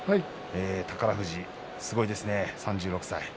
宝富士、すごいですね、３６歳。